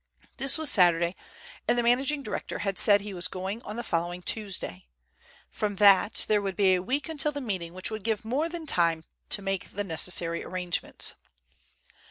This was Saturday, and the managing director had said he was going on the following Tuesday. From that there would be a week until the meeting, which would give more than time to make the necessary arrangements.